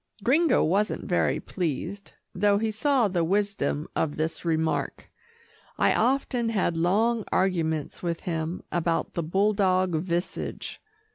Gringo wasn't very well pleased, though he saw the wisdom of this remark. I often had long arguments with him about the bulldog visage.